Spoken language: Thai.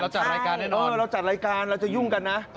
จัดรายการแน่นอนเราจัดรายการเราจะยุ่งกันนะ